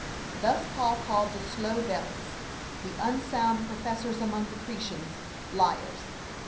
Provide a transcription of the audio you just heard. Thus Paul called the slow bellies, the unsound professors among the Cretians, liars.